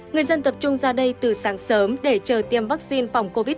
người dân tập trung ra đây từ sáng sớm để chờ tiêm vaccine phòng covid một mươi chín